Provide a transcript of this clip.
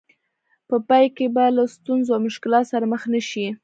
په پای کې به له ستونزو او مشکلاتو سره مخ نه شئ.